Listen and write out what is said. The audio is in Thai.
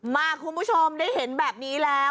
คุณผู้ชมได้เห็นแบบนี้แล้ว